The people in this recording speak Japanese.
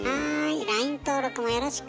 ＬＩＮＥ登録もよろしく。